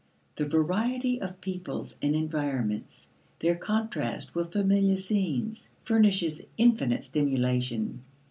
The variety of peoples and environments, their contrast with familiar scenes, furnishes infinite stimulation.